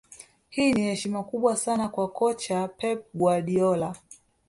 Hii ni heshima kubwa sana kwa kocha Pep Guardiola